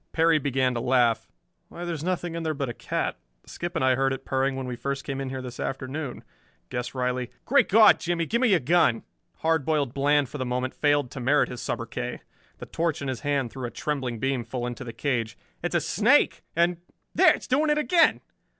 Perry began to laugh. "Why, there's nothing in there but a cat. Skip and I heard it purring when we first came in here this afternoon. Guess Riley " "Great God, Jimmie, give me your gun!" Hard Boiled Bland for the moment failed to merit his sobriquet. The torch in his hand threw a trembling beam full into the cage. "It's a snake! And there! It's doing it again!"